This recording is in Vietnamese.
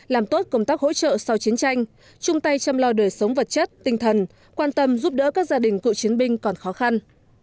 làm tốt công tác hỗ trợ sau chiến tranh chung tay chăm lo đời sống vật chất tinh thần